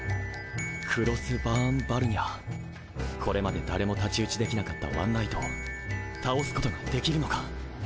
クロスバーン・バルニャーこれまで誰も太刀打ちできなかったワンナイトを倒すことができるのか？